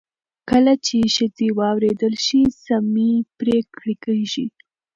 کله چې ښځې واورېدل شي، سمې پرېکړې کېږي.